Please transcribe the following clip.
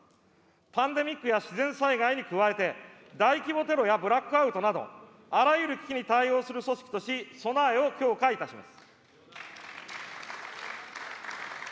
パンデミックや自然災害に加えて、大規模テロやブラックアウトなど、あらゆる危機に対応する組織とし、備えを強化いたします。